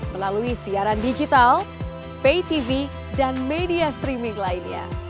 melalui siaran digital pay tv dan media streaming lainnya